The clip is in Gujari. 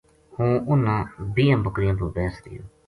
ہوں اُن بیہاں بکریاں پو بیس رِہیو